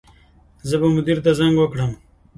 زه به مدیر ته زنګ وکړم